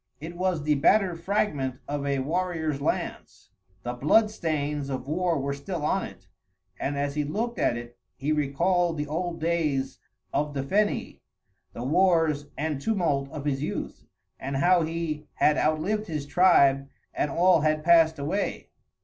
It was the battered fragment of a warrior's lance. The blood stains of war were still on it, and as he looked at it he recalled the old days of the Feni, the wars and tumult of his youth; and how he had outlived his tribe and all had passed away.